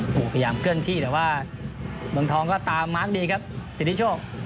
พยายามเกื้อนที่แต่ว่าเมืองทองก็ตามมากดีครับสิทธิโชค